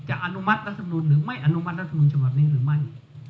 อนุมัติรัฐมนุนหรือไม่อนุมัติรัฐมนุนฉบับนี้หรือไม่